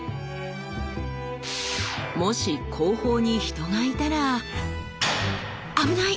もし後方に人がいたら危ない！